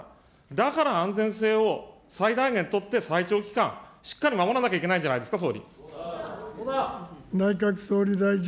だから安全性を最大限取って、最長期間しっかり守らなきゃいけないんじゃないですか、総理。